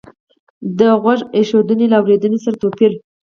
د غوږ ایښودنې له اورېدنې سره توپیر